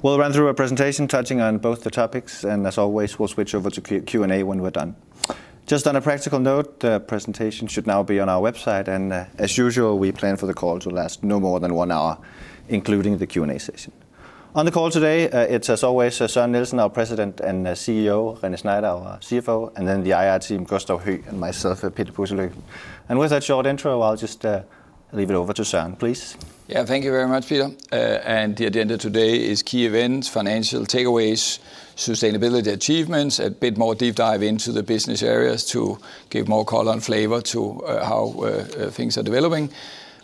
We'll run through a presentation touching on both the topics, and as always, we'll switch over to Q&A when we're done. Just on a practical note, the presentation should now be on our website, and as usual, we plan for the call to last no more than one hour, including the Q&A session. On the call today, it's as always, Søren Nielsen, our President and CEO, René Schneider, our CFO, and then the IR team, Gustav Høegh and myself, Peter Pudselykke. With that short intro, I'll just leave it over to Søren, please. Yeah, thank you very much, Peter. And the agenda today is key events, financial takeaways, sustainability achievements, a bit more deep dive into the business areas to give more color and flavor to how things are developing.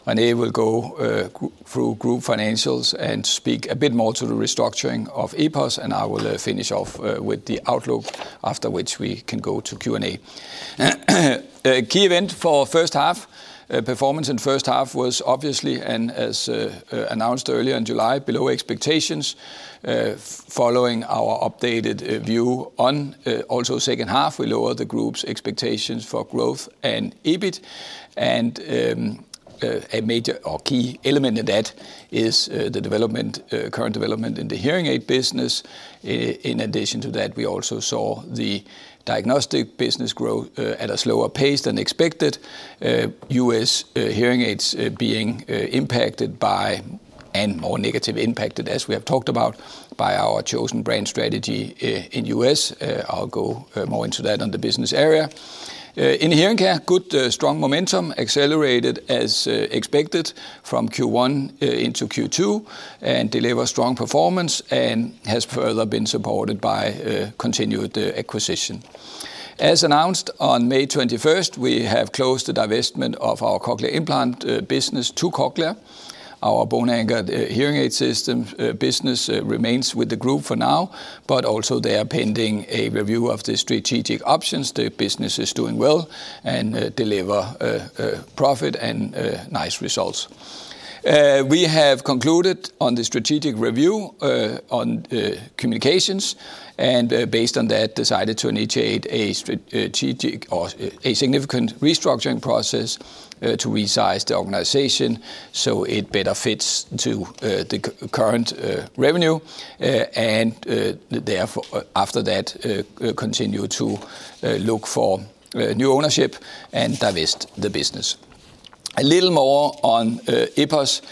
René will go through group financials and speak a bit more to the restructuring of EPOS, and I will finish off with the outlook, after which we can go to Q&A. A key event for first half performance in first half was obviously, and as announced earlier in July, below expectations. Following our updated view on also second half, we lowered the group's expectations for growth and EBIT. A major or key element in that is the development, current development in the hearing aid business. In addition to that, we also saw the diagnostic business grow at a slower pace than expected. U.S. hearing aids being impacted by, and more negatively impacted, as we have talked about, by our chosen brand strategy in U.S. I'll go more into that on the business area. In hearing care, good, strong momentum, accelerated as expected from Q1 into Q2, and delivered strong performance, and has further been supported by continued acquisition. As announced on May 21st, we have closed the divestment of our cochlear implant business to cochlear. Our bone-anchored hearing aid system business remains with the group for now, but also they are pending a review of the strategic options. The business is doing well and deliver profit and nice results. We have concluded on the strategic review on communications, and based on that, decided to initiate a strategic or a significant restructuring process to resize the organization so it better fits to the current revenue, and therefore, after that, continue to look for new ownership and divest the business. A little more on EPOS.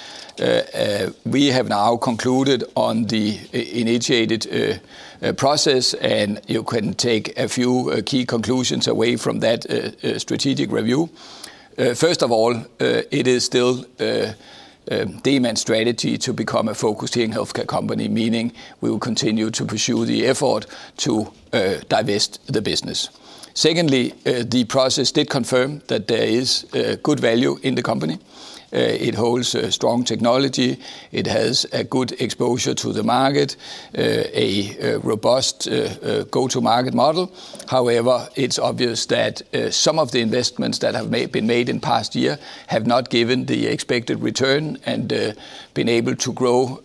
We have now concluded on the initiated process, and you can take a few key conclusions away from that strategic review. First of all, it is still Demant strategy to become a focused hearing healthcare company, meaning we will continue to pursue the effort to divest the business. Secondly, the process did confirm that there is good value in the company. It holds a strong technology. It has a good exposure to the market, a robust go-to-market model. However, it's obvious that some of the investments that have been made in the past year have not given the expected return and been able to grow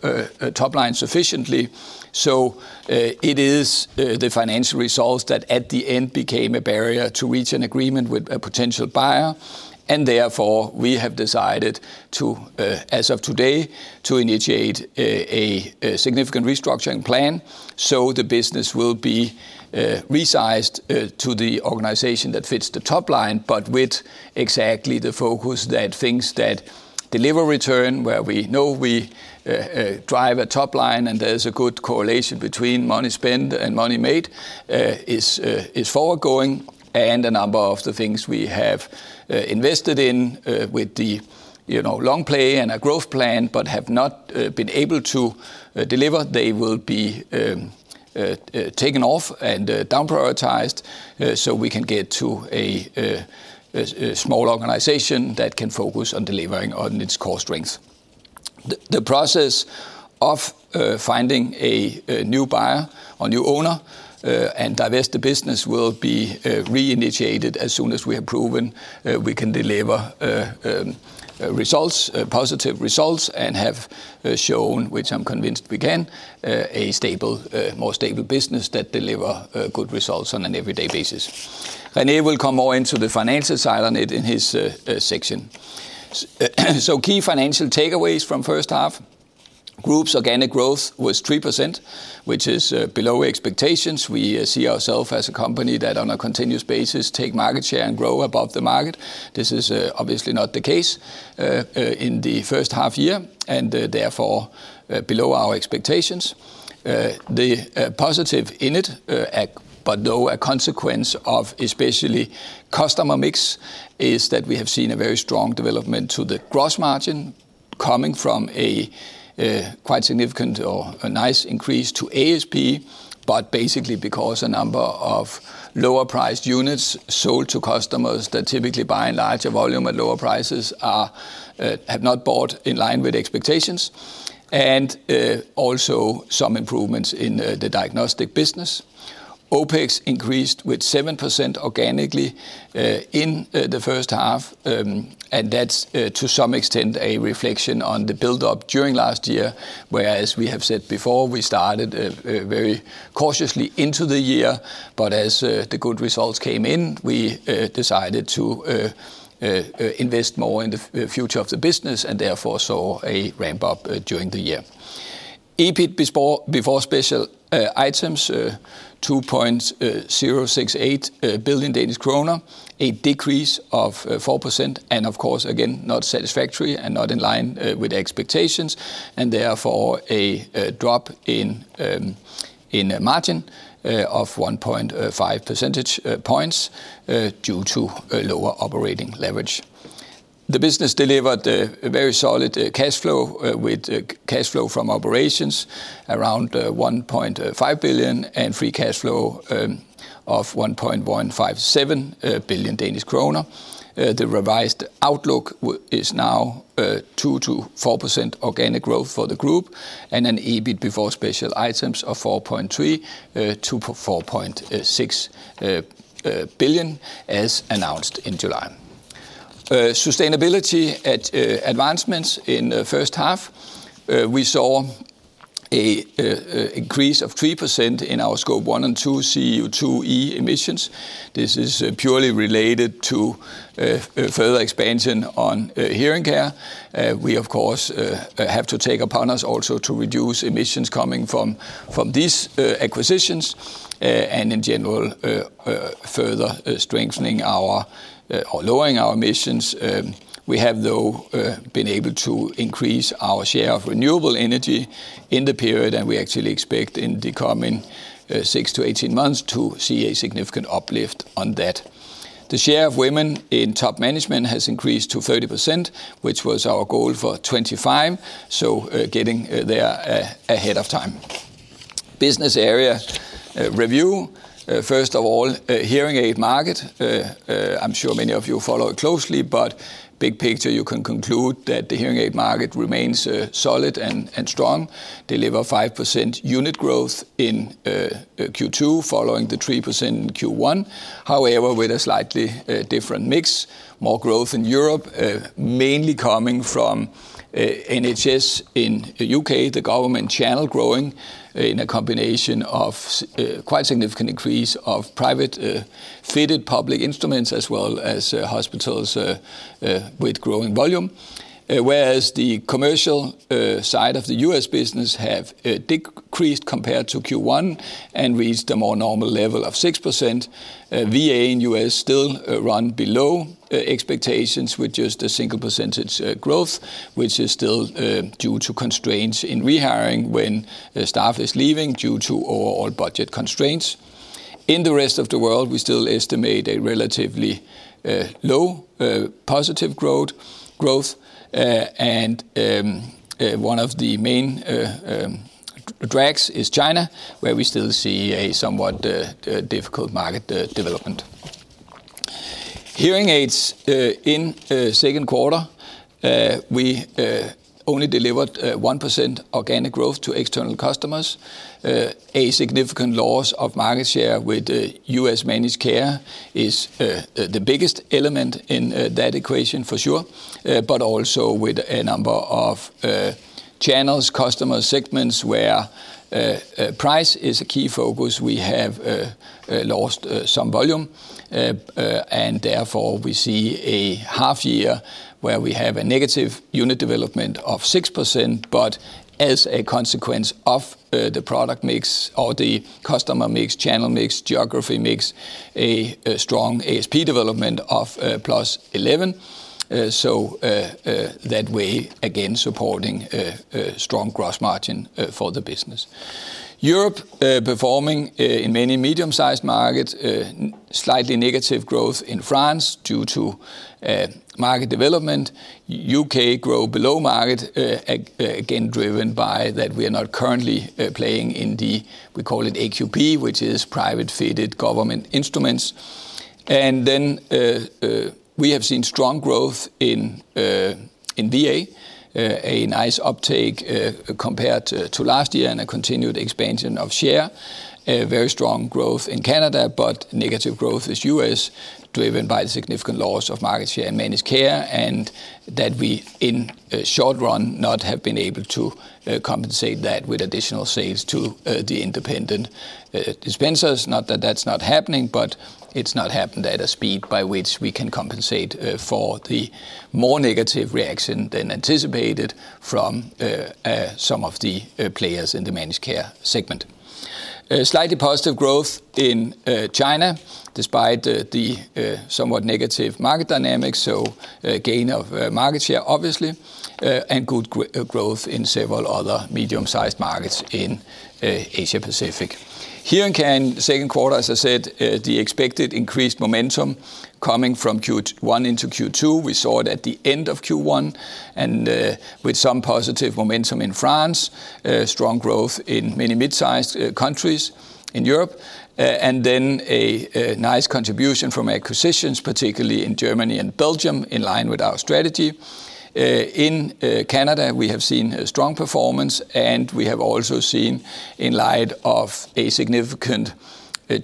top line sufficiently. So, it is the financial results that at the end became a barrier to reach an agreement with a potential buyer, and therefore, we have decided to, as of today, initiate a significant restructuring plan, so the business will be resized to the organization that fits the top line, but with exactly the focus that things that deliver return, where we know we drive a top line, and there's a good correlation between money spent and money made, is going forward. And a number of the things we have invested in, with the, you know, long play and a growth plan, but have not been able to deliver, they will be taken off and down prioritized, so we can get to a small organization that can focus on delivering on its core strengths. The process of finding a new buyer or new owner and divest the business will be reinitiated as soon as we have proven we can deliver results, positive results, and have shown, which I'm convinced we can, a stable, more stable business that deliver good results on an everyday basis. René will come more into the financial side on it in his section. So key financial takeaways from first half. Group's organic growth was 3%, which is below expectations. We see ourself as a company that, on a continuous basis, take market share and grow above the market. This is obviously not the case in the first half year, and therefore below our expectations. The positive in it, but though a consequence of especially customer mix, is that we have seen a very strong development to the gross margin, coming from a quite significant or a nice increase to ASP, but basically because a number of lower-priced units sold to customers that typically buy in larger volume at lower prices have not bought in line with expectations, and also some improvements in the diagnostic business. OpEx increased with 7% organically in the first half, and that's to some extent a reflection on the build-up during last year, where, as we have said before, we started very cautiously into the year, but as the good results came in, we decided to invest more in the future of the business, and therefore, saw a ramp up during the year. EBIT before special items 2.068 billion Danish kroner, a decrease of 4%, and of course, again, not satisfactory and not in line with expectations, and therefore, a drop in margin of 1.5 percentage points due to a lower operating leverage. The business delivered a very solid cash flow with cash flow from operations around 1.5 billion, and free cash flow of 1.157 billion Danish kroner. The revised outlook is now 2%-4% organic growth for the group, and an EBIT before special items of 4.3 billion-4.6 billion, as announced in July. Sustainability advancements in the first half, we saw an increase of 3% in our Scope 1 and 2 CO2e emissions. This is purely related to further expansion on hearing care. We, of course, have to take upon us also to reduce emissions coming from these acquisitions, and in general, further strengthening our, or lowering our emissions. We have, though, been able to increase our share of renewable energy in the period, and we actually expect in the coming six to 18 months to see a significant uplift on that. The share of women in top management has increased to 30%, which was our goal for 2025, so, getting there ahead of time. Business area review. First of all, hearing aid market, I'm sure many of you follow it closely, but big picture, you can conclude that the hearing aid market remains solid and strong, deliver 5% unit growth in Q2, following the 3% in Q1. However, with a slightly different mix, more growth in Europe, mainly coming from NHS in the U.K., the government channel growing in a combination of quite significant increase of private fitted public instruments, as well as hospitals with growing volume. Whereas the commercial side of the U.S. business have decreased compared to Q1 and reached a more normal level of 6%. VA and U.S. still run below expectations, with just 1% growth, which is still due to constraints in rehiring when staff is leaving due to overall budget constraints. In the rest of the world, we still estimate a relatively low positive growth and one of the main drags is China, where we still see a somewhat difficult market development. Hearing aids in second quarter we only delivered 1% organic growth to external customers. A significant loss of market share with U.S. managed care is the biggest element in that equation, for sure, but also with a number of channels, customer segments, where price is a key focus, we have lost some volume. And therefore, we see a half year where we have a negative unit development of 6%, but as a consequence of the product mix or the customer mix, channel mix, geography mix, a strong ASP development of +11%. So, that way, again, supporting a strong gross margin for the business. Europe performing in many medium-sized markets, slightly negative growth in France due to market development. U.K. grow below market, again, driven by that we are not currently playing in the, we call it AQP, which is private fitted government instruments. And then, we have seen strong growth in VA, a nice uptake compared to last year and a continued expansion of share. Very strong growth in Canada, but negative growth in the U.S., driven by significant loss of market share in managed care, and that we, in a short run, not have been able to compensate that with additional sales to the independent dispensers. Not that that's not happening, but it's not happened at a speed by which we can compensate for the more negative reaction than anticipated from some of the players in the managed care segment. A slightly positive growth in China, despite the somewhat negative market dynamics, so gain of market share, obviously, and good growth in several other medium-sized markets in Asia Pacific. Hearing care in second quarter, as I said, the expected increased momentum coming from Q1 into Q2. We saw it at the end of Q1, and with some positive momentum in France, strong growth in many mid-sized countries in Europe, and then a nice contribution from acquisitions, particularly in Germany and Belgium, in line with our strategy. In Canada, we have seen a strong performance, and we have also seen, in light of a significant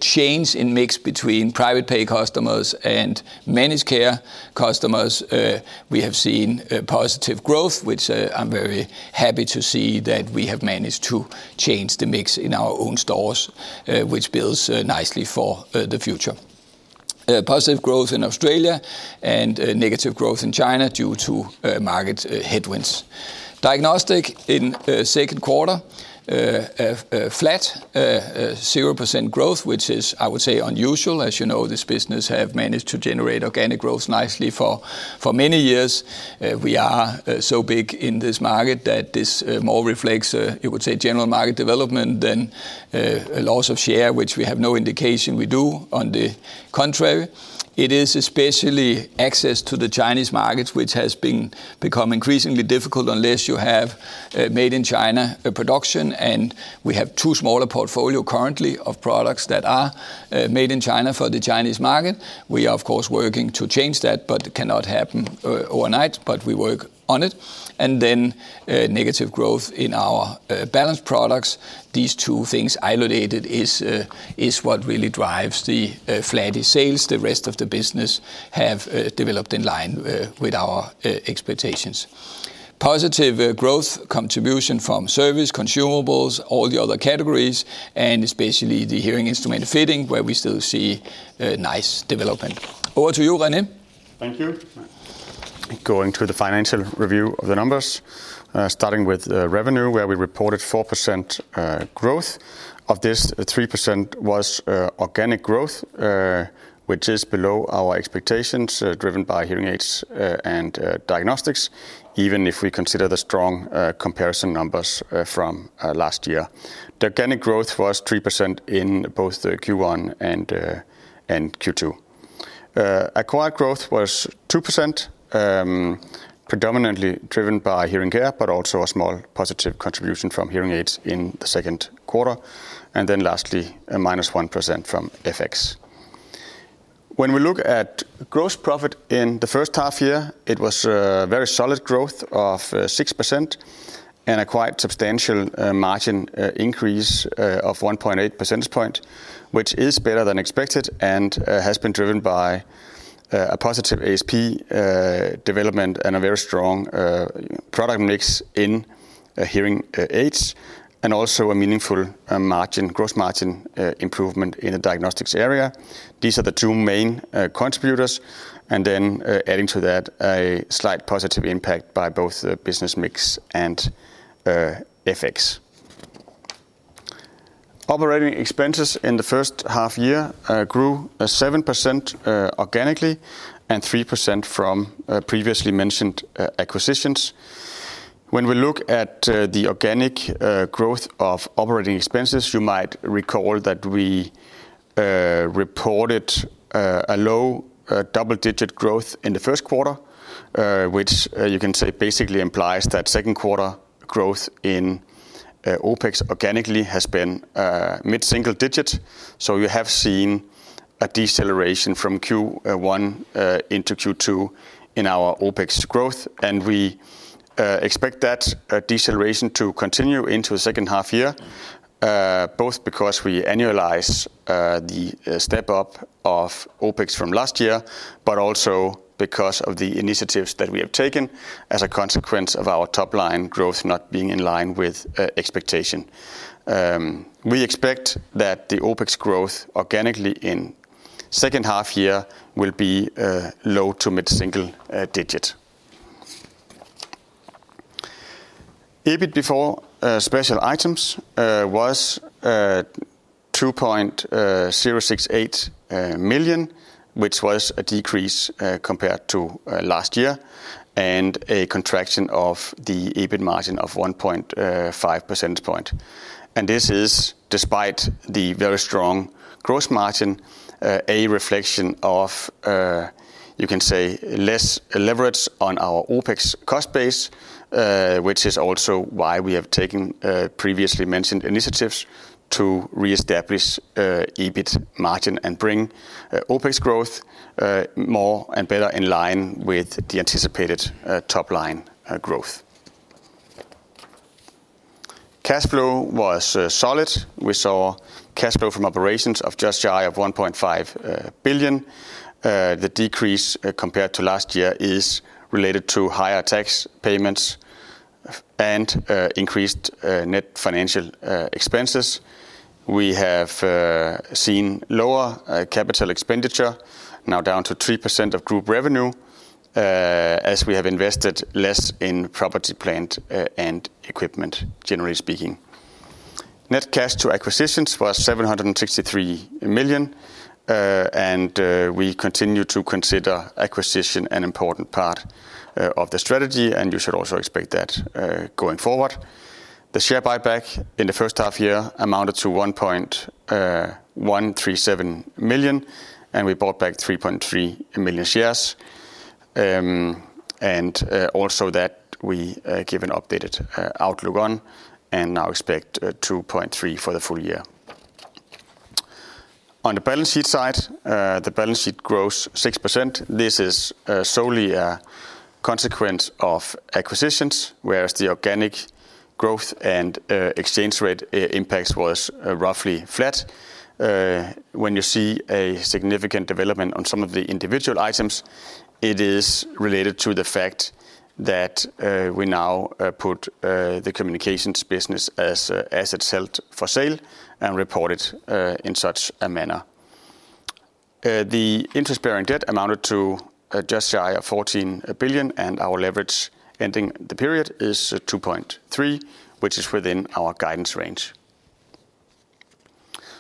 change in mix between private pay customers and managed care customers, positive growth, which I'm very happy to see that we have managed to change the mix in our own stores, which builds nicely for the future. Positive growth in Australia, and negative growth in China due to market headwinds. Diagnostics in second quarter flat, 0% growth, which is, I would say, unusual. As you know, this business have managed to generate organic growth nicely for many years. We are so big in this market that this more reflects, you would say, general market development than a loss of share, which we have no indication we do. On the contrary, it is especially access to the Chinese markets, which has become increasingly difficult unless you have made in China production. And we have two smaller portfolio currently of products that are made in China for the Chinese market. We are, of course, working to change that, but it cannot happen overnight, but we work on it. And then negative growth in our balance products. These two things isolated is what really drives the flat sales. The rest of the business have developed in line with our expectations. Positive growth contribution from service, consumables, all the other categories, and especially the hearing instrument fitting, where we still see a nice development. Over to you, René. Thank you. Going through the financial review of the numbers, starting with revenue, where we reported 4% growth. Of this, 3% was organic growth, which is below our expectations, driven by hearing aids and diagnostics, even if we consider the strong comparison numbers from last year. The organic growth was 3% in both the Q1 and Q2. Acquired growth was 2%, predominantly driven by hearing care, but also a small positive contribution from hearing aids in the second quarter, and then lastly, a -1% from FX. When we look at gross profit in the first half year, it was a very solid growth of 6% and a quite substantial margin increase of 1.8 percentage point, which is better than expected and has been driven by a positive ASP development and a very strong product mix in hearing aids, and also a meaningful margin, gross margin improvement in the diagnostics area. These are the two main contributors, and then adding to that, a slight positive impact by both the business mix and FX. Operating expenses in the first half year grew 7% organically and 3% from previously mentioned acquisitions. When we look at the organic growth of operating expenses, you might recall that we reported a low double-digit growth in the first quarter, which you can say basically implies that second quarter growth in OpEx organically has been mid-single digit. So you have seen a deceleration from Q1 into Q2 in our OpEx growth, and we expect that deceleration to continue into the second half year both because we annualize the step-up of OpEx from last year, but also because of the initiatives that we have taken as a consequence of our top line growth not being in line with expectation. We expect that the OpEx growth organically in second half year will be low to mid-single digit. EBIT before special items was 2.068 million, which was a decrease compared to last year, and a contraction of the EBIT margin of 1.5 percentage points. This is, despite the very strong gross margin, a reflection of, you can say, less leverage on our OpEx cost base, which is also why we have taken previously mentioned initiatives to reestablish EBIT margin and bring OpEx growth more and better in line with the anticipated top line growth. Cash flow was solid. We saw cash flow from operations of just shy of 1.5 billion. The decrease compared to last year is related to higher tax payments and increased net financial expenses. We have seen lower capital expenditure, now down to 3% of group revenue, as we have invested less in property, plant, and equipment, generally speaking. Net cash to acquisitions was 763 million, and we continue to consider acquisition an important part of the strategy, and you should also expect that, going forward. The share buyback in the first half year amounted to 1.137 million, and we bought back 3.3 million shares. And also that we give an updated outlook on, and now expect 2.3 for the full year. On the balance sheet side, the balance sheet grows 6%. This is solely a consequence of acquisitions, whereas the organic growth and exchange rate impact was roughly flat. When you see a significant development on some of the individual items, it is related to the fact that we now put the communications business as it's held for sale and report it in such a manner. The interest-bearing debt amounted to just shy of 14 billion, and our leverage ending the period is 2.3, which is within our guidance range.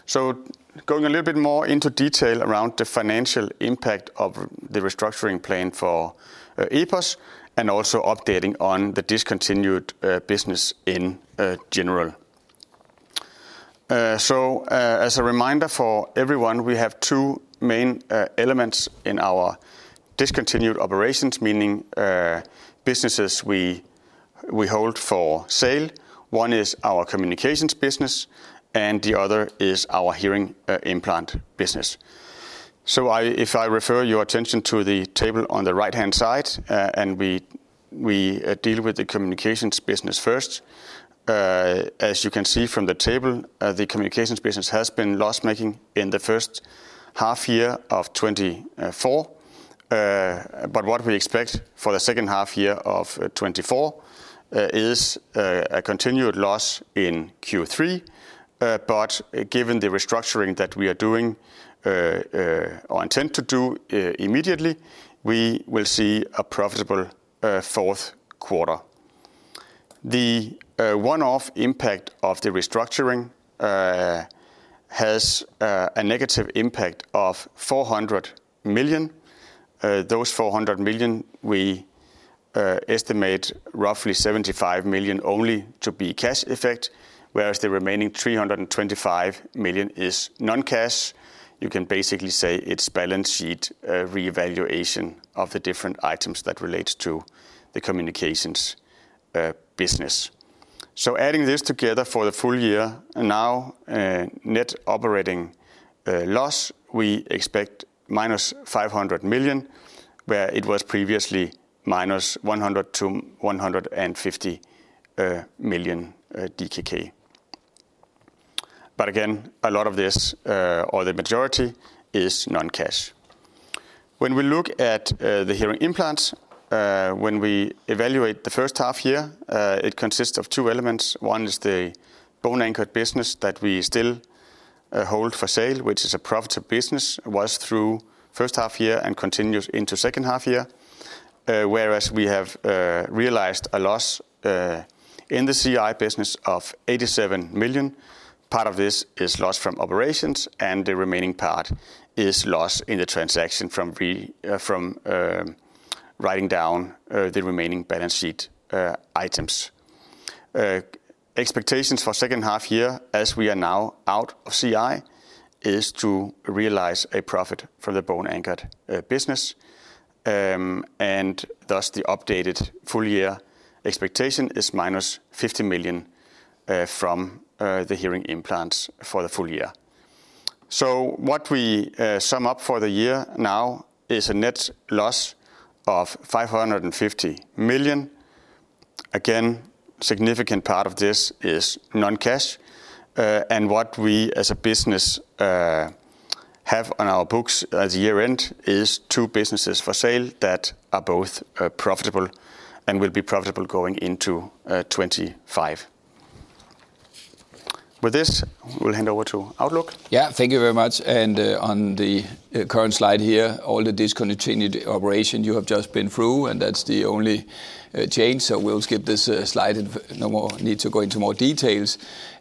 So going a little bit more into detail around the financial impact of the restructuring plan for EPOS, and also updating on the discontinued business in general. So as a reminder for everyone, we have two main elements in our discontinued operations, meaning businesses we hold for sale. One is our communications business, and the other is our hearing implant business. So if I refer your attention to the table on the right-hand side, and we deal with the communications business first. As you can see from the table, the communications business has been loss-making in the first half year of 2024. But what we expect for the second half year of 2024 is a continued loss in Q3. But given the restructuring that we are doing or intend to do immediately, we will see a profitable fourth quarter. The one-off impact of the restructuring has a negative impact of 400 million. Those 400 million, we estimate roughly 75 million only to be cash effect, whereas the remaining 325 million is non-cash. You can basically say it's balance sheet revaluation of the different items that relates to the communications business. So adding this together for the full year, now, net operating loss we expect -500 million, where it was previously -100 million--150 million DKK. But again, a lot of this, or the majority is non-cash. When we look at the hearing implants, when we evaluate the first half year, it consists of two elements. One is the bone-anchored business that we still hold for sale, which is a profitable business, was through first half year and continues into second half year. Whereas we have realized a loss in the CI business of 87 million. Part of this is lost from operations, and the remaining part is lost in the transaction from writing down the remaining balance sheet items. Expectations for second half year, as we are now out of CI, is to realize a profit from the bone-anchored business. And thus, the updated full year expectation is -50 million from the hearing implants for the full year. So what we sum up for the year now is a net loss of 550 million. Again, significant part of this is non-cash, and what we, as a business, have on our books at year-end is two businesses for sale that are both profitable and will be profitable going into 2025. With this, we'll hand over to outlook. Yeah, thank you very much. On the current slide here, all the discontinued operation you have just been through, and that's the only change, so we'll skip this slide, and no more need to go into more details.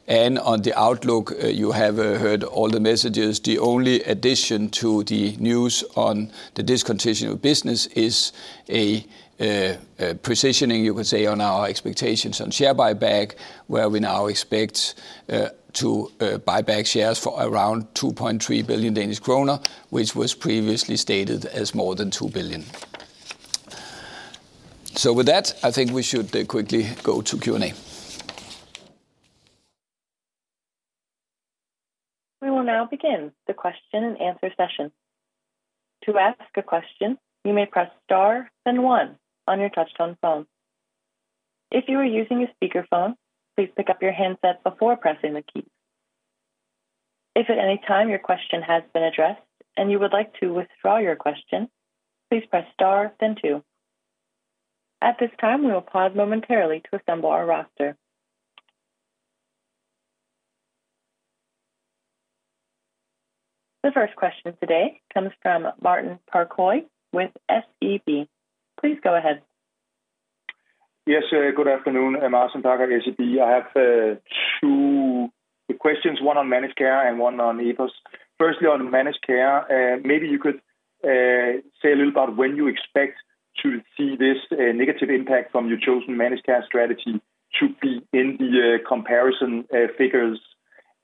On the outlook, you have heard all the messages. The only addition to the news on the discontinued business is a positioning, you could say, on our expectations on share buyback, where we now expect to buy back shares for around 2.3 billion Danish kroner, which was previously stated as more than 2 billion. So with that, I think we should quickly go to Q&A. We will now begin the question and answer session. To ask a question, you may press star, then one on your touch-tone phone. If you are using a speakerphone, please pick up your handset before pressing the key. If at any time your question has been addressed and you would like to withdraw your question, please press Star, then Two. At this time, we will pause momentarily to assemble our roster. The first question today comes from Martin Parkhøi with SEB. Please go ahead. Yes, good afternoon. I'm Martin Parkhøi, SEB. I have two questions, one on managed care and one on EPOS. Firstly, on managed care, maybe you could say a little about when you expect to see this negative impact from your chosen managed care strategy to be in the comparison figures.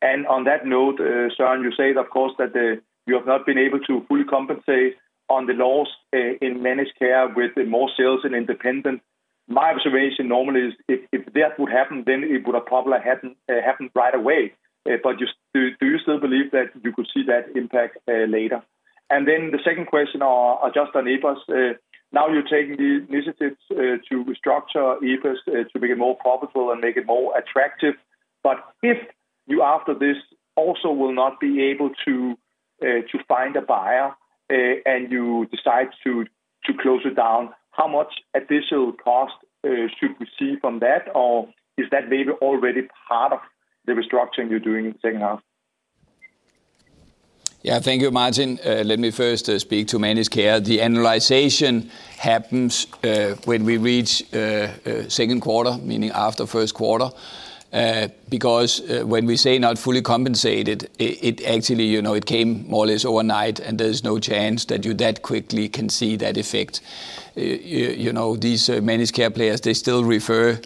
And on that note, Søren, you said, of course, that you have not been able to fully compensate on the loss in managed care with the more sales and independent. My observation normally is if that would happen, then it would have probably happened right away. But do you still believe that you could see that impact later? And then the second question just on EPOS. Now you're taking the initiatives to restructure EPOS to make it more profitable and make it more attractive. But if you, after this, also will not be able to find a buyer and you decide to close it down, how much additional cost should we see from that? Or is that maybe already part of the restructuring you're doing in the second half? Yeah, thank you, Martin. Let me first speak to managed care. The annualization happens when we reach second quarter, meaning after first quarter. Because when we say not fully compensated, it actually, you know, it came more or less overnight, and there's no chance that you that quickly can see that effect. You know, these managed care players, they still refer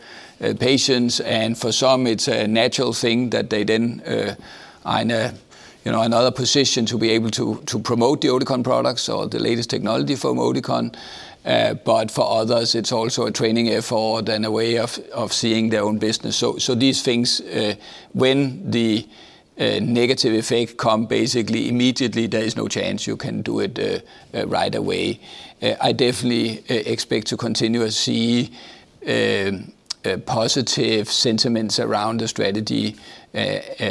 patients, and for some it's a natural thing that they then are in a, you know, another position to be able to promote the Oticon products or the latest technology from Oticon. But for others it's also a training effort and a way of seeing their own business. So these things when the negative effect come basically immediately, there is no chance you can do it right away. I definitely expect to continue to see positive sentiments around the strategy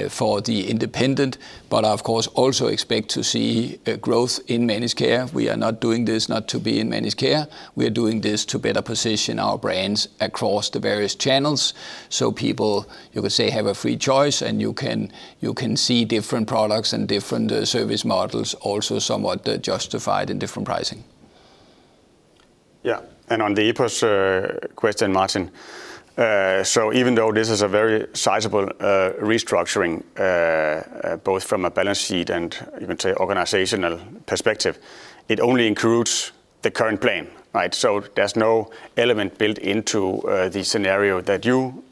for the independent, but of course, also expect to see growth in managed care. We are not doing this not to be in managed care. We are doing this to better position our brands across the various channels, so people, you could say, have a free choice, and you can, you can see different products and different service models also somewhat justified in different pricing. Yeah, and on the EPOS question, Martin, so even though this is a very sizable restructuring, both from a balance sheet and even, say, organizational perspective, it only includes the current plan, right? So there's no element built into the scenario that you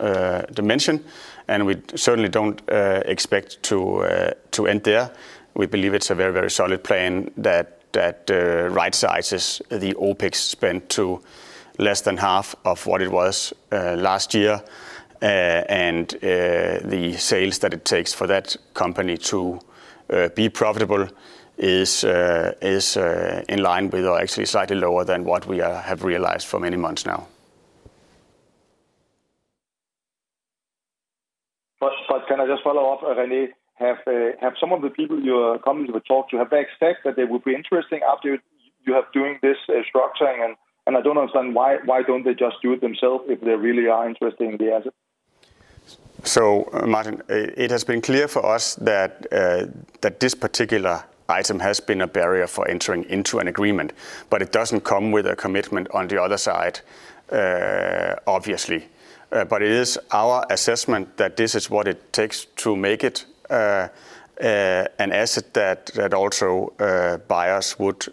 dimension, and we certainly don't expect to end there. We believe it's a very, very solid plan that right sizes the OpEx spend to less than half of what it was last year. And the sales that it takes for that company to be profitable is in line with or actually slightly lower than what we have realized for many months now. But can I just follow up, René? Have some of the people you are coming to talk to expected that they would be interesting after you have doing this restructuring? And I don't understand, why don't they just do it themselves if they really are interested in the asset? So, Martin, it has been clear for us that this particular item has been a barrier for entering into an agreement, but it doesn't come with a commitment on the other side, obviously. But it is our assessment that this is what it takes to make it an asset that also buyers would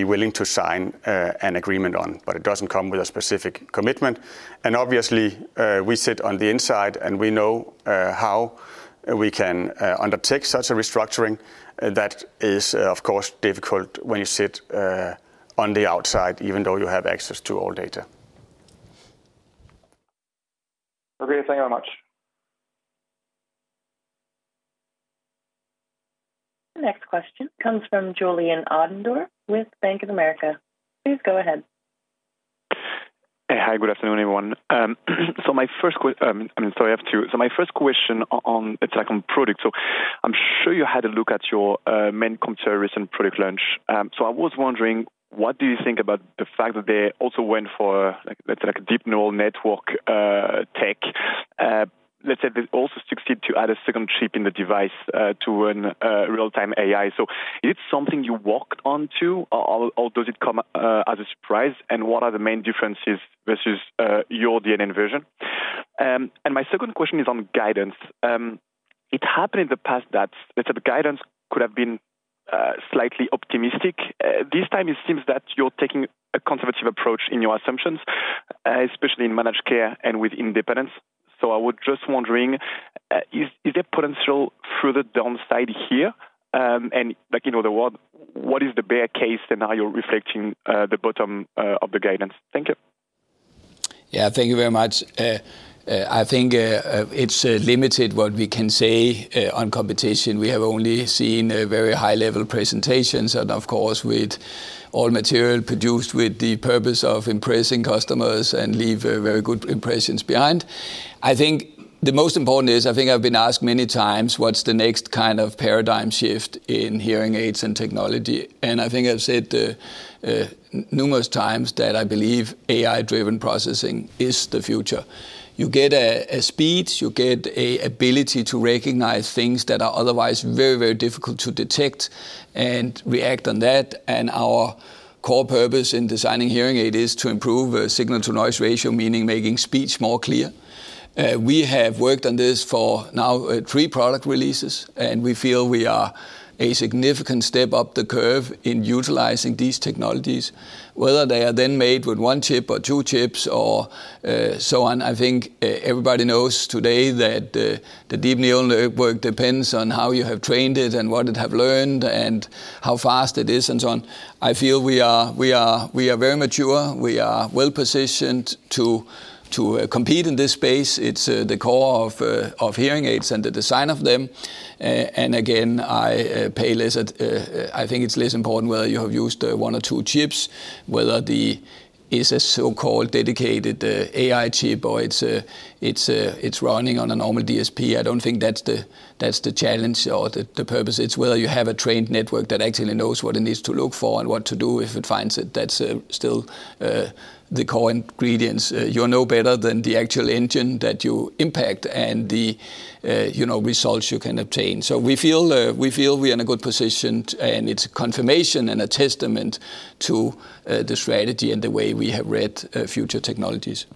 be willing to sign an agreement on, but it doesn't come with a specific commitment. And obviously, we sit on the inside, and we know how we can undertake such a restructuring. That is, of course, difficult when you sit on the outside, even though you have access to all data. Okay, thank you very much. The next question comes from Julien Ouaddour with Bank of America. Please go ahead. Hey. Hi, good afternoon, everyone. So my first—I mean, sorry, I have two. So my first question on, it's like, on product. So I'm sure you had a look at your main competitors and product launch. So I was wondering, what do you think about the fact that they also went for, like, let's say, like, a deep neural network tech? Let's say they also succeed to add a second chip in the device to run real-time AI. So is it something you worked on, too, or does it come as a surprise, and what are the main differences versus your DNN version? And my second question is on guidance. It happened in the past that the type of guidance could have been slightly optimistic. This time it seems that you're taking a conservative approach in your assumptions, especially in managed care and with independence. So I was just wondering, is there potential further downside here? And like, you know, what is the bear case scenario reflecting the bottom of the guidance? Thank you. Yeah, thank you very much. I think it's limited what we can say on competition. We have only seen a very high-level presentations and of course, with all material produced, with the purpose of impressing customers and leave a very good impressions behind. I think the most important is, I think I've been asked many times, what's the next kind of paradigm shift in hearing aids and technology? And I think I've said numerous times that I believe AI-driven processing is the future. You get a speed, you get a ability to recognize things that are otherwise very, very difficult to detect and react on that. And our core purpose in designing hearing aid is to improve signal-to-noise ratio, meaning making speech more clear. We have worked on this for now, three product releases, and we feel we are a significant step up the curve in utilizing these technologies, whether they are then made with one chip or two chips or, so on. I think everybody knows today that, the deep neural network depends on how you have trained it and what it have learned and how fast it is and so on. I feel we are very mature. We are well positioned to compete in this space. It's the core of hearing aids and the design of them. And again, I pay less at. I think it's less important whether you have used one or two chips, whether it is a so-called dedicated AI chip or it's running on a normal DSP. I don't think that's the challenge or the purpose. It's whether you have a trained network that actually knows what it needs to look for and what to do if it finds it. That's still the core ingredients. You're no better than the actual engine that you impact and, you know, the results you can obtain. So we feel we are in a good position, and it's a confirmation and a testament to the strategy and the way we have read future technologies.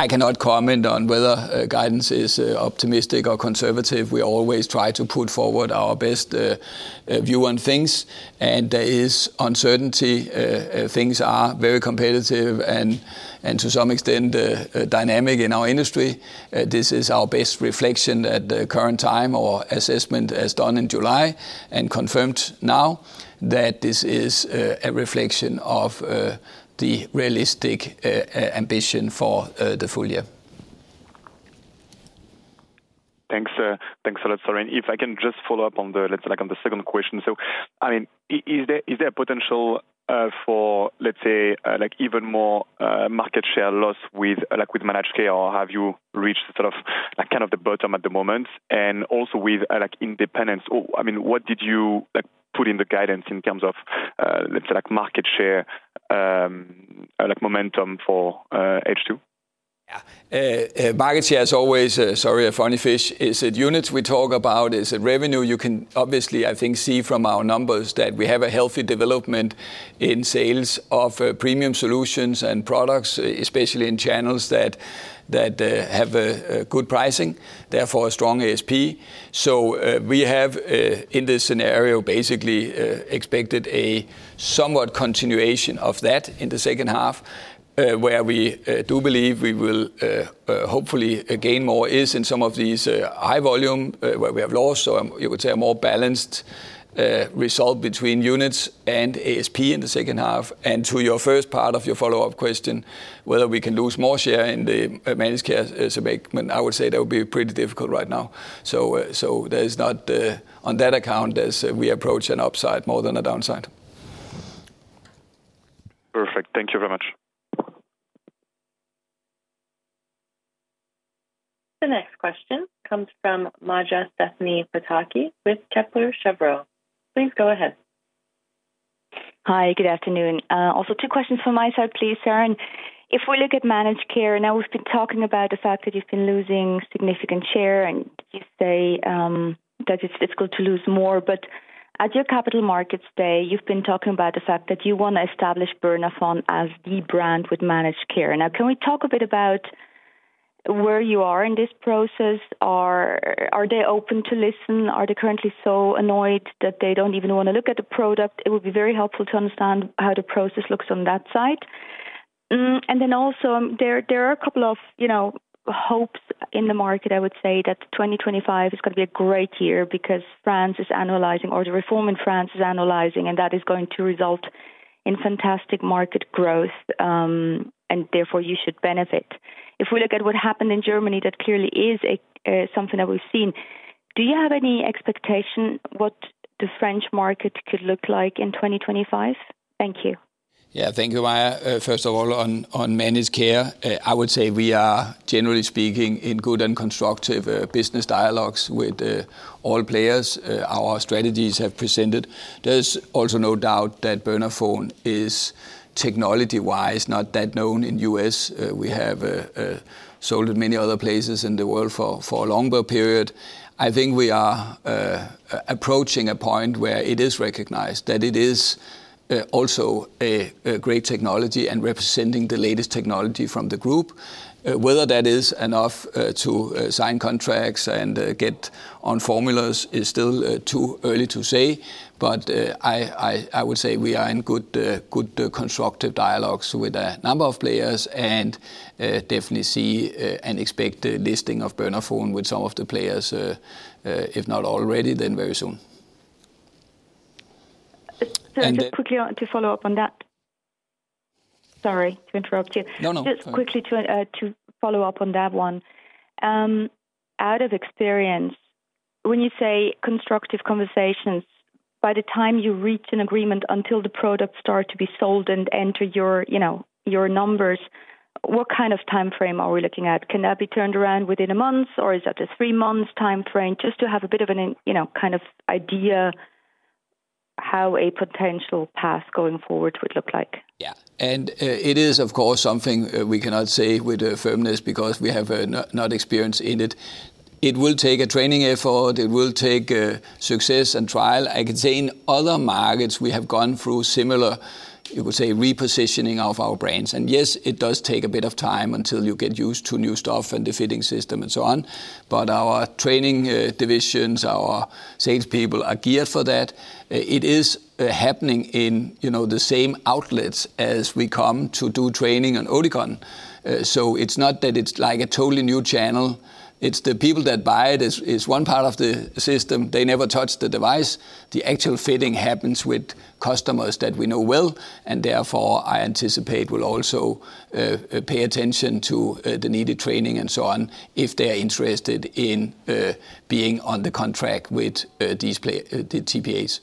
I cannot comment on whether guidance is optimistic or conservative. We always try to put forward our best view on things, and there is uncertainty. Things are very competitive and to some extent dynamic in our industry. This is our best reflection at the current time or assessment, as done in July and confirmed now, that this is a reflection of the realistic ambition for the full year. Thanks, thanks a lot, Søren. If I can just follow up on the, let's say, like, on the second question. So I mean, is there, is there a potential, for, let's say, like, even more, market share loss with, like, with managed care, or have you reached sort of, like, kind of the bottom at the moment? And also with, like, independence, or I mean, what did you, like, put in the guidance in terms of, let's say, like, market share, like, momentum for, H2? Yeah. Market share is always, sorry, a funny fish. Is it units we talk about? Is it revenue? You can obviously, I think, see from our numbers that we have a healthy development in sales of premium solutions and products, especially in channels that have a good pricing, therefore, a strong ASP. So, we have, in this scenario, basically, expected a somewhat continuation of that in the second half, where we do believe we will hopefully gain more is in some of these high volume where we have lost. So I would say a more balanced result between units and ASP in the second half. And to your first part of your follow-up question, whether we can lose more share in the managed care is to make I would say that would be pretty difficult right now. So there's not, on that account, as we approach an upside more than a downside. Perfect. Thank you very much. The next question comes from Maja Pataki with Kepler Cheuvreux. Please go ahead. Hi, good afternoon. Also two questions from my side, please, Søren. If we look at managed care, now, we've been talking about the fact that you've been losing significant share, and you say that it's difficult to lose more, but at your Capital Markets Day, you've been talking about the fact that you wanna establish Bernafon as the brand with managed care. Now, can we talk a bit about where you are in this process? Are they open to listen? Are they currently so annoyed that they don't even wanna look at the product? It would be very helpful to understand how the process looks on that side. And then also, there are a couple of, you know, hopes in the market, I would say, that 2025 is gonna be a great year because France is analyzing or the reform in France is analyzing, and that is going to result in fantastic market growth, and therefore you should benefit. If we look at what happened in Germany, that clearly is a something that we've seen. Do you have any expectation what the French market could look like in 2025? Thank you. Yeah. Thank you, Maja. First of all, on managed care, I would say we are, generally speaking, in good and constructive business dialogues with all players. Our strategies have presented. There's also no doubt that Bernafon is technology-wise not that known in the U.S. We have sold in many other places in the world for a longer period. I think we are approaching a point where it is recognized that it is also a great technology and representing the latest technology from the group. Whether that is enough to sign contracts and get on formulas is still too early to say, but I would say we are in good, good constructive dialogues with a number of players and definitely see and expect a listing of Bernafon with some of the players, if not already, then very soon. So. And. Just quickly to follow up on that. Sorry to interrupt you. No, no. Just quickly to follow up on that one. Out of experience, when you say constructive conversations, by the time you reach an agreement until the products start to be sold and enter your, you know, your numbers, what kind of timeframe are we looking at? Can that be turned around within a month, or is that a three-month timeframe? Just to have a bit of an, you know, kind of idea how a potential path going forward would look like. Yeah. And it is, of course, something we cannot say with firmness because we have no experience in it. It will take a training effort. It will take success and trial. I can say in other markets, we have gone through similar, you would say, repositioning of our brands. And yes, it does take a bit of time until you get used to new stuff and the fitting system and so on. But our training divisions, our salespeople, are geared for that. It is happening in, you know, the same outlets as we come to do training on Oticon. So it's not that it's like a totally new channel. It's the people that buy it is one part of the system. They never touch the device. The actual fitting happens with customers that we know well, and therefore I anticipate will also pay attention to the needed training and so on, if they are interested in being on the contract with these the TPAs.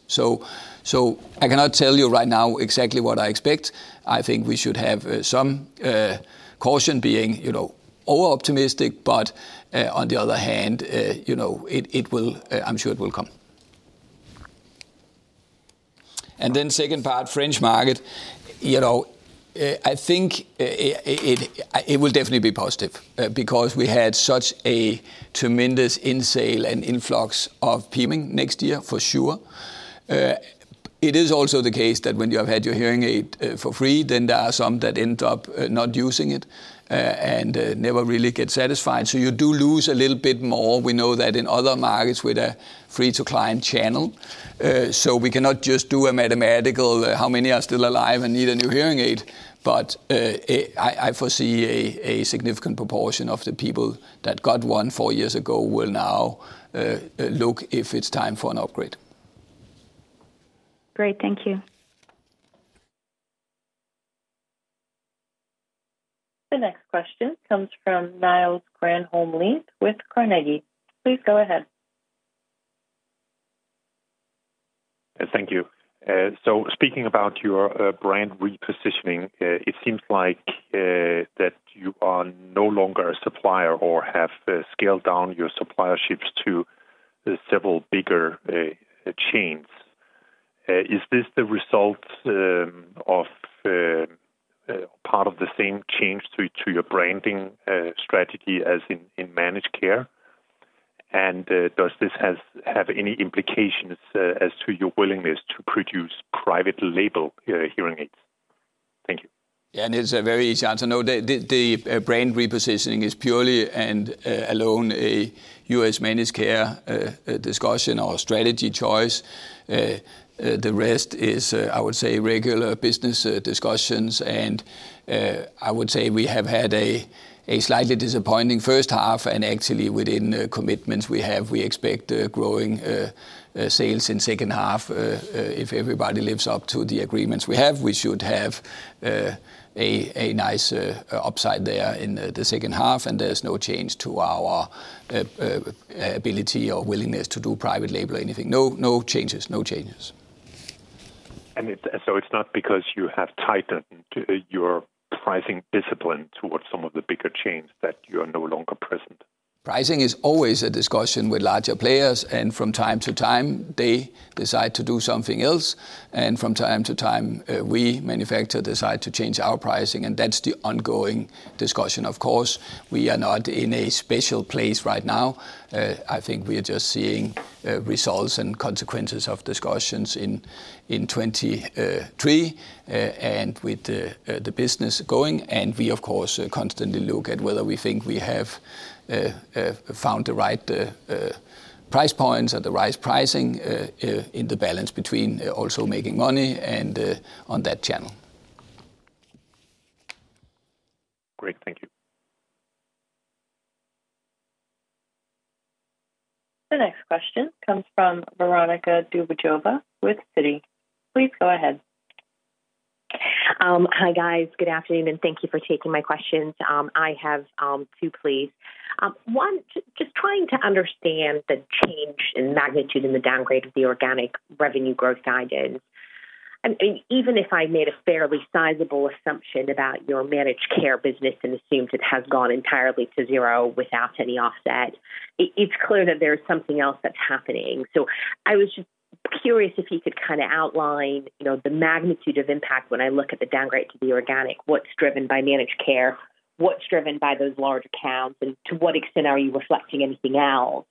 So I cannot tell you right now exactly what I expect. I think we should have some caution being, you know, overoptimistic, but on the other hand, you know, it will, I'm sure it will come. And then second part, French market. You know, I think it will definitely be positive because we had such a tremendous in-sale and influx of [primo] next year, for sure. It is also the case that when you have had your hearing aid for free, then there are some that end up not using it and never really get satisfied. So you do lose a little bit more. We know that in other markets with a free-to-client channel, so we cannot just do a mathematical how many are still alive and need a new hearing aid, but I foresee a significant proportion of the people that got one four years ago will now look if it's time for an upgrade. Great. Thank you. The next question comes from Niels Granholm-Leth with Carnegie. Please go ahead. Thank you. So speaking about your brand repositioning, it seems like that you are no longer a supplier or have scaled down your supplierships to several bigger chains. Is this the result of part of the same change to your branding strategy as in managed care? And does this have any implications as to your willingness to produce private label hearing aids? Thank you. Yeah, and it's a very easy answer. No, the brand repositioning is purely and alone a U.S. managed care discussion or strategy choice. The rest is, I would say, regular business discussions, and I would say we have had a slightly disappointing first half, and actually within commitments we have, we expect growing sales in second half. If everybody lives up to the agreements we have, we should have a nice upside there in the second half, and there's no change to our ability or willingness to do private label or anything. No, no changes. No changes. So it's not because you have tightened your pricing discipline towards some of the bigger chains that you are no longer present? Pricing is always a discussion with larger players, and from time to time, they decide to do something else, and from time to time, we manufacture, decide to change our pricing, and that's the ongoing discussion. Of course, we are not in a special place right now. I think we are just seeing results and consequences of discussions in 2023, and with the business going, and we, of course, constantly look at whether we think we have found the right price points at the right pricing, in the balance between also making money and on that channel. Great. Thank you. The next question comes from Veronika Dubajova with Citi. Please go ahead. Hi, guys. Good afternoon, and thank you for taking my questions. I have two, please. One, just trying to understand the change in magnitude in the downgrade of the organic revenue growth guidance. Even if I made a fairly sizable assumption about your managed care business and assumed it has gone entirely to zero without any offset, it's clear that there is something else that's happening. So I was just curious if you could kind of outline, you know, the magnitude of impact when I look at the downgrade to the organic. What's driven by managed care? What's driven by those large accounts, and to what extent are you reflecting anything else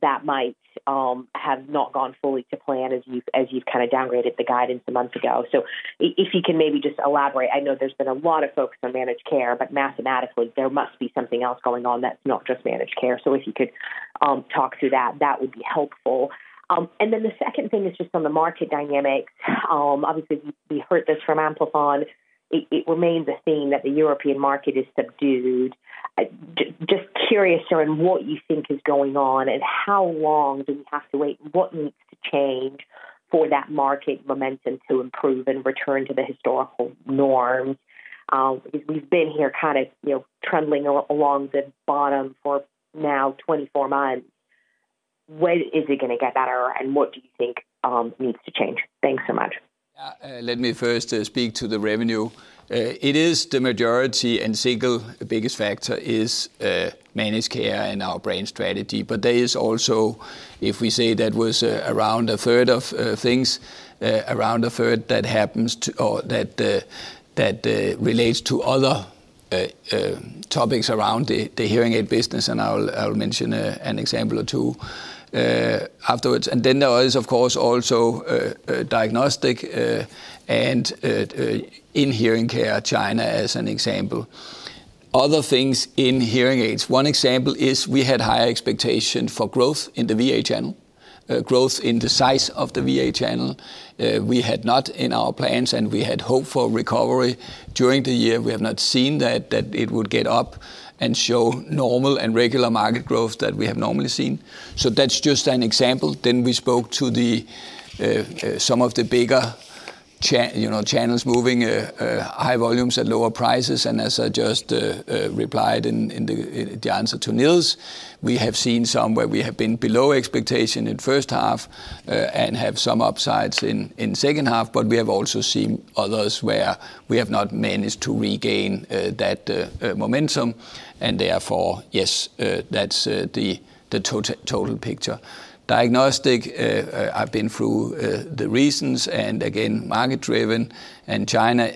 that might have not gone fully to plan as you've kind of downgraded the guidance a month ago? So if you can maybe just elaborate. I know there's been a lot of focus on managed care, but mathematically, there must be something else going on that's not just managed care. So if you could talk through that, that would be helpful. And then the second thing is just on the market dynamics. Obviously, we heard this from Amplifon. It remains a theme that the European market is subdued. Just curious around what you think is going on and how long do we have to wait? What needs to change for that market momentum to improve and return to the historical norm? We've been here kind of, you know, trembling along the bottom for now 24 months. When is it going to get better, and what do you think needs to change? Thanks so much. Yeah, let me first speak to the revenue. It is the majority and single biggest factor is managed care and our brand strategy. But there is also, if we say that was around a third of things, around a third that happens to or that that relates to other topics around the hearing aid business, and I'll mention an example or two afterwards. And then there is, of course, also diagnostic and in hearing care, China as an example. Other things in hearing aids. One example is we had higher expectation for growth in the VA channel, growth in the size of the VA channel. We had not in our plans, and we had hoped for recovery during the year. We have not seen that, that it would get up and show normal and regular market growth that we have normally seen. So that's just an example. Then we spoke to some of the bigger, you know, channels moving high volumes at lower prices, and as I just replied in the answer to Niels, we have seen some where we have been below expectation in first half and have some upsides in second half, but we have also seen others where we have not managed to regain that momentum, and therefore, yes, that's the total picture. Diagnostic, I've been through the reasons, and again, market driven. And China,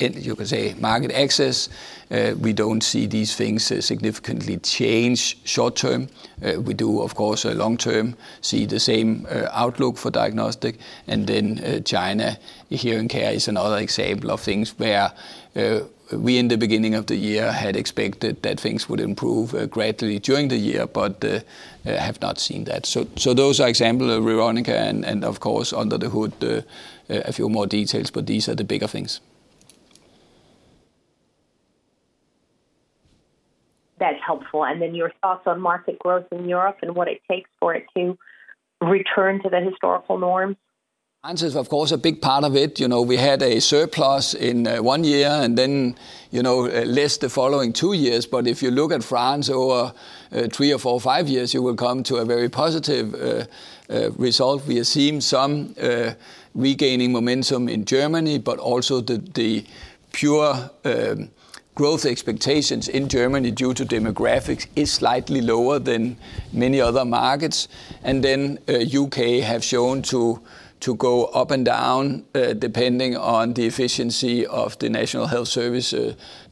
you could say market access, we don't see these things significantly change short term. We do, of course, long term, see the same outlook for diagnostic. And then, China, hearing care is another example of things where, we, in the beginning of the year, had expected that things would improve greatly during the year, but, have not seen that. So, so those are examples, Veronika, and, and of course, under the hood, a few more details, but these are the bigger things. That's helpful. And then your thoughts on market growth in Europe and what it takes for it to return to the historical norm? France is, of course, a big part of it. You know, we had a surplus in one year, and then, you know, less the following two years. But if you look at France over three or four or five years, you will come to a very positive result. We have seen some regaining momentum in Germany, but also the pure growth expectations in Germany, due to demographics, is slightly lower than many other markets. And then U.K. have shown to go up and down depending on the efficiency of the National Health Service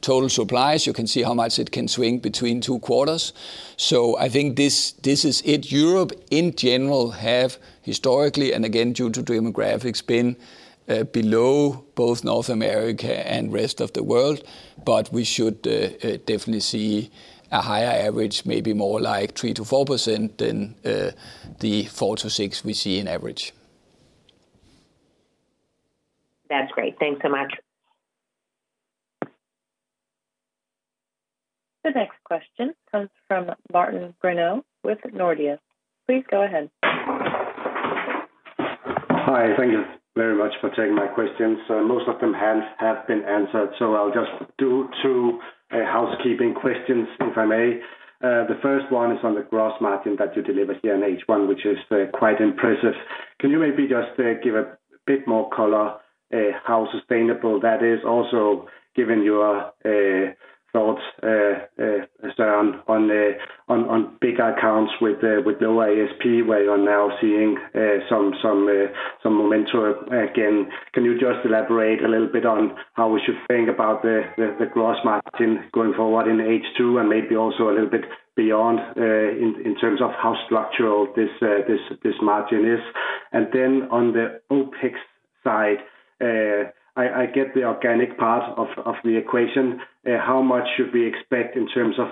total supplies. You can see how much it can swing between two quarters. So I think this is it. Europe, in general, have historically, and again, due to demographics, been below both North America and rest of the world, but we should definitely see a higher average, maybe more like 3%-4% than the 4%-6% we see in average. That's great. Thanks so much. The next question comes from Martin Brenøe with Nordea. Please go ahead. Hi. Thank you very much for taking my questions. Most of them have been answered, so I'll just do two housekeeping questions, if I may. The first one is on the gross margin that you delivered here in H1, which is quite impressive. Can you maybe just give a bit more color how sustainable that is? Also, given your thoughts so on bigger accounts with no ASP, where you're now seeing some momentum again. Can you just elaborate a little bit on how we should think about the gross margin going forward in H2, and maybe also a little bit beyond, in terms of how structural this margin is? On the OpEx side, I get the organic part of the equation. How much should we expect in terms of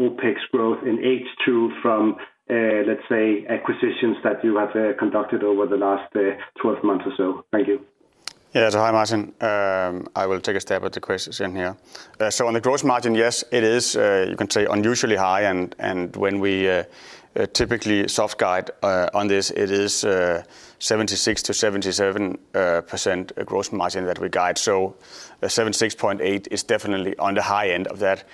OpEx growth in H2 from, let's say, acquisitions that you have conducted over the last 12 months or so? Thank you. Yeah. So hi, Martin. I will take a stab at the questions in here. So on the gross margin, yes, it is, you can say unusually high, and when we typically soft guide on this, it is 76%-77% gross margin that we guide. So 76.8% is definitely on the high end of that,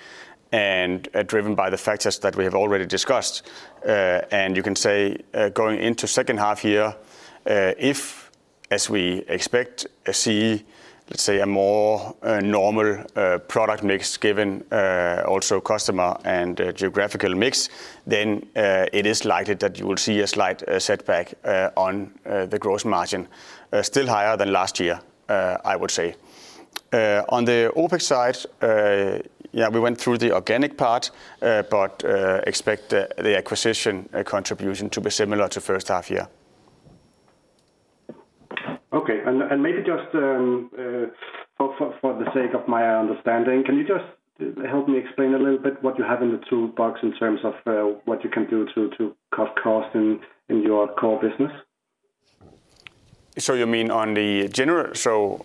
and driven by the factors that we have already discussed. And you can say going into second half year, if, as we expect, see, let's say, a more normal product mix, given also customer and geographical mix, then it is likely that you will see a slight setback on the gross margin. Still higher than last year, I would say. On the OpEx side, yeah, we went through the organic part, but expect the acquisition contribution to be similar to first half year. Okay. And maybe just for the sake of my understanding, can you just help me explain a little bit what you have in the toolbox in terms of what you can do to cut costs in your core business? So you mean on the genera. So,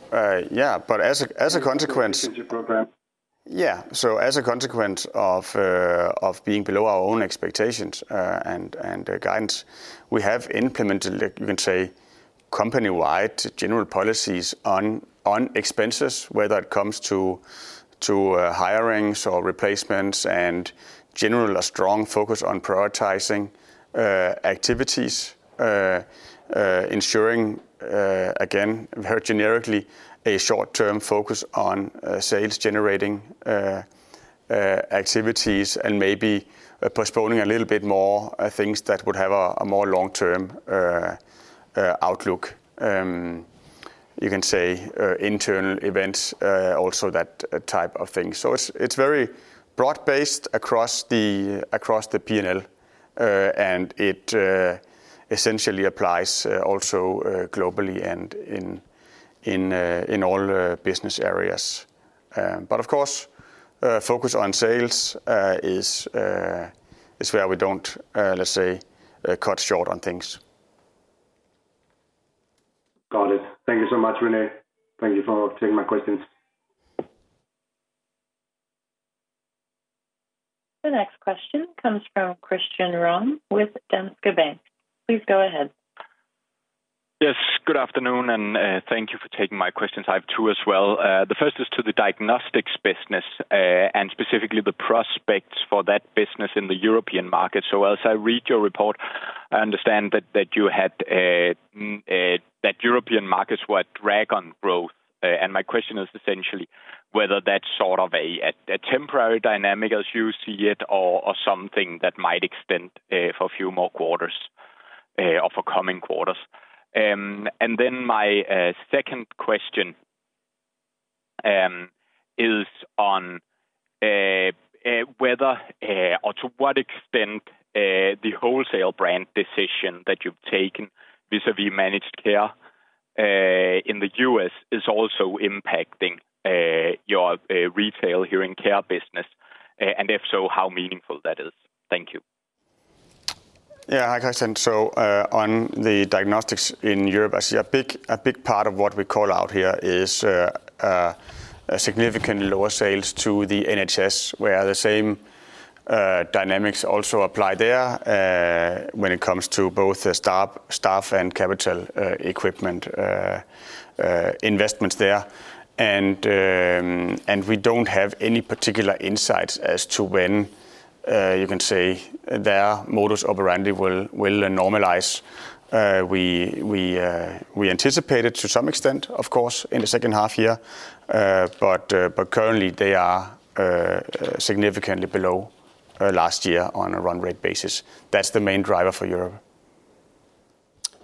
yeah, but as a, as a consequence. Program. Yeah. So as a consequence of being below our own expectations and guidance, we have implemented, you can say, company-wide general policies on expenses, whether it comes to hirings or replacements, and generally, a strong focus on prioritizing activities. Ensuring, again, very generically, a short-term focus on sales-generating activities, and maybe postponing a little bit more things that would have a more long-term outlook. You can say, internal events, also that type of thing. So it's very broad-based across the P&L, and it essentially applies also globally and in all business areas. But of course, focus on sales is where we don't, let's say, cut short on things. Got it. Thank you so much, René. Thank you for taking my questions. The next question comes from Christian Ryom with Danske Bank. Please go ahead. Yes, good afternoon, and thank you for taking my questions. I have two as well. The first is to the diagnostics business, and specifically the prospects for that business in the European market. So as I read your report, I understand that, that you had, that European markets were a drag on growth. And my question is essentially whether that's sort of a, a temporary dynamic as you see it, or, or something that might extend, for a few more quarters, or for coming quarters. And then my second question is on, whether or to what extent, the wholesale brand decision that you've taken vis-à-vis managed care, in the U.S., is also impacting, your retail hearing care business? And if so, how meaningful that is? Thank you. Yeah, hi, Christian. So, on the diagnostics in Europe, I see a big part of what we call out here is a significant lower sales to the NHS, where the same dynamics also apply there, when it comes to both the staff and capital equipment investments there. And we don't have any particular insights as to when you can say their modus operandi will normalize. We anticipate it to some extent, of course, in the second half year. But currently, they are significantly below last year on a run rate basis. That's the main driver for Europe.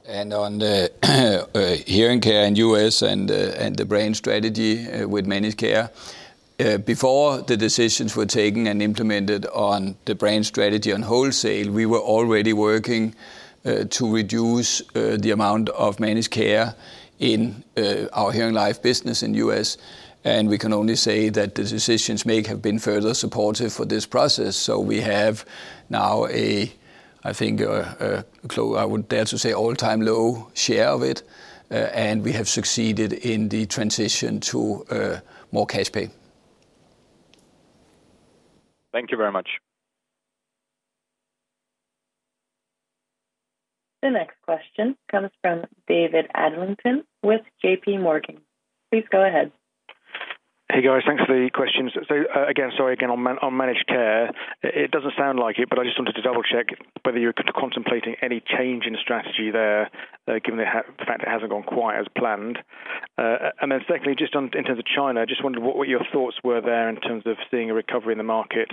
On the hearing care in U.S. and the brand strategy with managed care, before the decisions were taken and implemented on the brand strategy on wholesale, we were already working to reduce the amount of managed care in our HearingLife business in U.S., and we can only say that the decisions made have been further supportive for this process. So we have now, I think, a close—I would dare to say, all-time low share of it, and we have succeeded in the transition to more cash pay. Thank you very much. The next question comes from David Adlington with JPMorgan. Please go ahead. Hey, guys, thanks for the questions. So, again, sorry again, on managed care, it doesn't sound like it, but I just wanted to double-check whether you're contemplating any change in strategy there, given the fact it hasn't gone quite as planned. And then secondly, just on in terms of China, I just wondered what were your thoughts were there in terms of seeing a recovery in the market.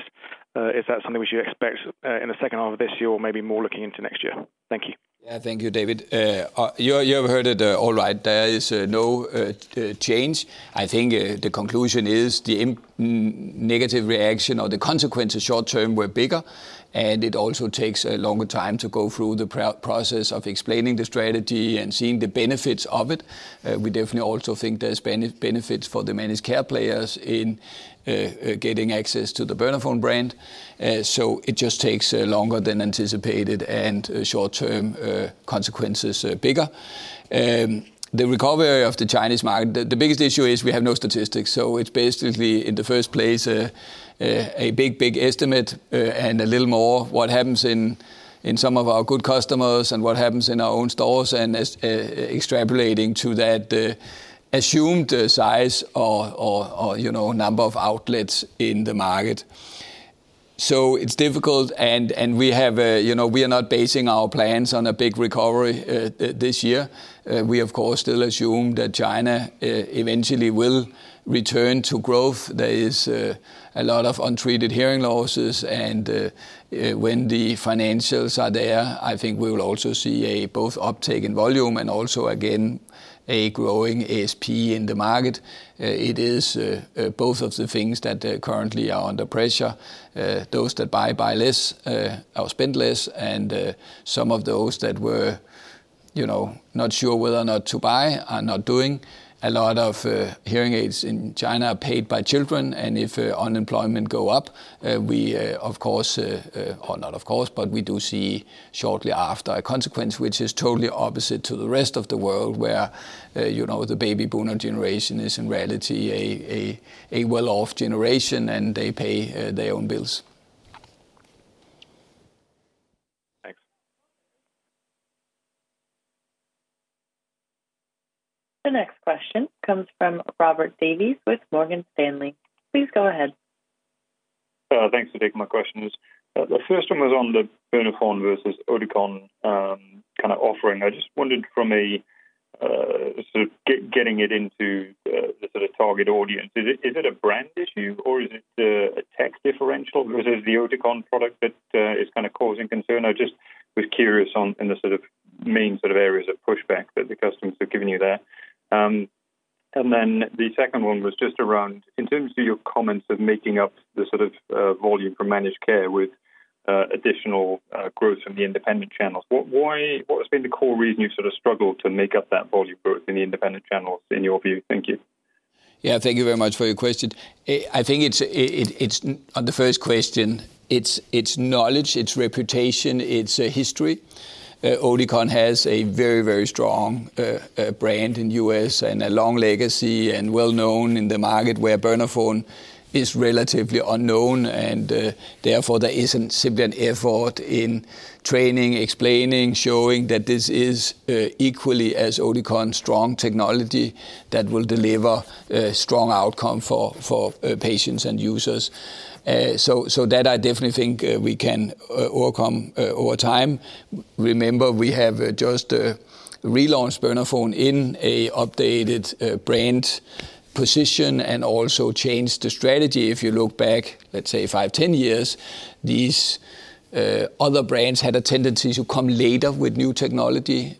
Is that something we should expect, in the second half of this year, or maybe more looking into next year? Thank you. Yeah, thank you, David. You have heard it all right. There is no change. I think the conclusion is the immediate negative reaction or the consequences short term were bigger, and it also takes a longer time to go through the process of explaining the strategy and seeing the benefits of it. We definitely also think there's benefits for the managed care players in getting access to the Bernafon brand. So it just takes longer than anticipated, and short-term consequences are bigger. The recovery of the Chinese market, the biggest issue is we have no statistics, so it's basically, in the first place, a big estimate, and a little more what happens in some of our good customers and what happens in our own stores, and as extrapolating to that, assumed size or, you know, number of outlets in the market. So it's difficult, and we have, you know, we are not basing our plans on a big recovery, this year. We, of course, still assume that China eventually will return to growth. There is a lot of untreated hearing losses, and when the financials are there, I think we will also see a both uptake in volume and also, again, a growing ASP in the market. It is both of the things that currently are under pressure. Those that buy, buy less, or spend less, and some of those that were, you know, not sure whether or not to buy are not doing. A lot of hearing aids in China are paid by children, and if unemployment go up, we, of course, or not of course, but we do see shortly after, a consequence, which is totally opposite to the rest of the world, where, you know, the baby boomer generation is, in reality, a well-off generation, and they pay their own bills. The next question comes from Robert Davies with Morgan Stanley. Please go ahead. Thanks for taking my questions. The first one was on the Bernafon versus Oticon kind of offering. I just wondered from a sort of getting it into the sort of target audience. Is it a brand issue, or is it a tech differential? Is it the Oticon product that is kind of causing concern? I just was curious on in the sort of main sort of areas of pushback that the customers have given you there. And then the second one was just around, in terms of your comments of making up the sort of volume for managed care with additional growth from the independent channels, what has been the core reason you've sort of struggled to make up that volume growth in the independent channels, in your view? Thank you. Yeah, thank you very much for your question. I think it's on the first question, it's knowledge, it's reputation, it's history. Oticon has a very, very strong brand in U.S. and a long legacy and well known in the market, where Bernafon is relatively unknown, and therefore, there isn't simply an effort in training, explaining, showing that this is equally as Oticon, strong technology that will deliver strong outcome for patients and users. So that I definitely think we can overcome over time. Remember, we have just relaunched Bernafon in an updated brand position and also changed the strategy. If you look back, let's say, five, ten years, these other brands had a tendency to come later with new technology.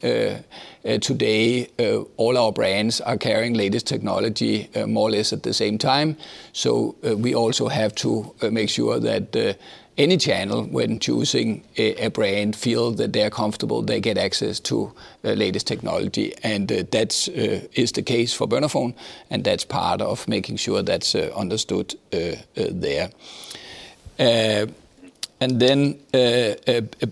Today, all our brands are carrying latest technology, more or less at the same time, so we also have to make sure that any channel, when choosing a brand, feel that they are comfortable, they get access to the latest technology. And that's is the case for Bernafon, and that's part of making sure that's understood there. And then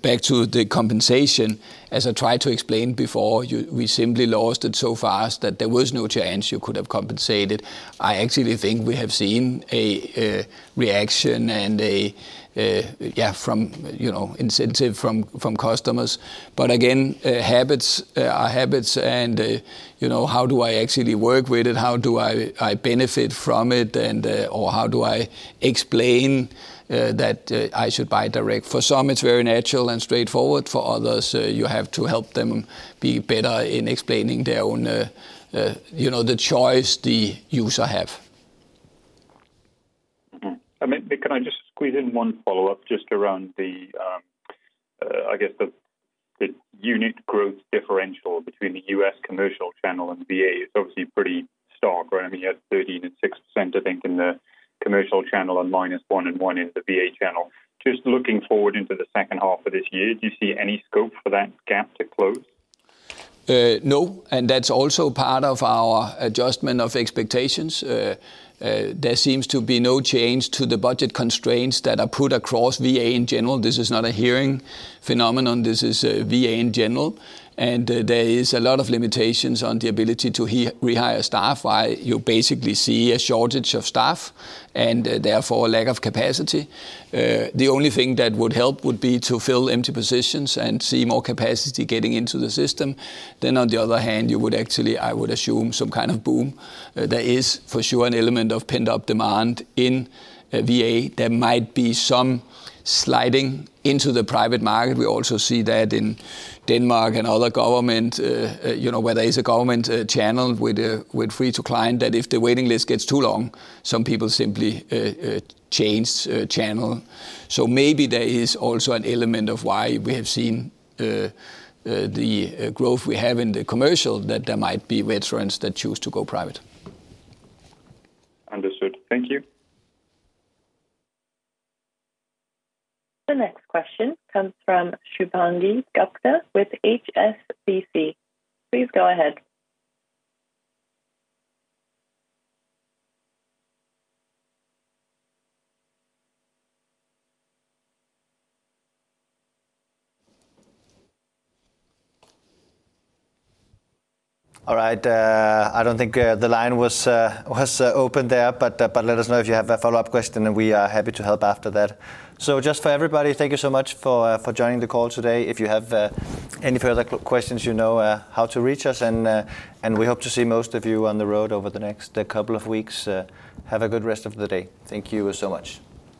back to the compensation, as I tried to explain before, you, we simply lost it so fast that there was no chance you could have compensated. I actually think we have seen a reaction and a yeah, from you know, incentive from customers. But again, habits are habits and you know, how do I actually work with it? How do I benefit from it, and or how do I explain that I should buy direct? For some, it's very natural and straightforward. For others, you have to help them be better in explaining their own, you know, the choice the user have. Mm-hmm. I mean, can I just squeeze in one follow-up just around the, I guess, the unique growth differential between the U.S. commercial channel and VA is obviously pretty stark, right? I mean, you had 13% and 6%, I think, in the commercial channel, and -1% and 1% in the VA channel. Just looking forward into the second half of this year, do you see any scope for that gap to close? No, and that's also part of our adjustment of expectations. There seems to be no change to the budget constraints that are put across VA in general. This is not a hearing phenomenon. This is VA in general, and there is a lot of limitations on the ability to rehire staff. Why? You basically see a shortage of staff and therefore a lack of capacity. The only thing that would help would be to fill empty positions and see more capacity getting into the system. Then on the other hand, you would actually, I would assume, some kind of boom. There is for sure an element of pent-up demand in VA. There might be some sliding into the private market. We also see that in Denmark and other government, you know, where there is a government channel with free to client, that if the waiting list gets too long, some people simply change channel. So maybe there is also an element of why we have seen the growth we have in the commercial, that there might be veterans that choose to go private. Understood. Thank you. The next question comes from Shubhangi Gupta with HSBC. Please go ahead. All right, I don't think the line was open there, but let us know if you have a follow-up question, and we are happy to help after that. So just for everybody, thank you so much for joining the call today. If you have any further questions, you know how to reach us, and we hope to see most of you on the road over the next couple of weeks. Have a good rest of the day. Thank you so much.